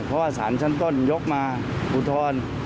เพราะว่าสารชั้นต้นยกมาอุทธรณ์